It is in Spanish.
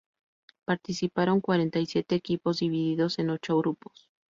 Participaron cuarenta y siete equipos, divididos en ocho grupos.